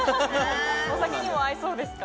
お酒にも合いそうですか？